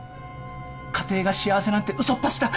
家庭が幸せなんてうそっぱちだ。